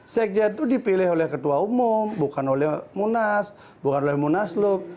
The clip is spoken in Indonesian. sekjen itu dipilih oleh ketua umum bukan oleh munas bukan oleh munaslup